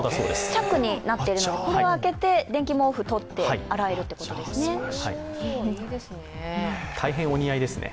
チャックになっているので、これを開けて電気毛布をとって大変お似合いですね。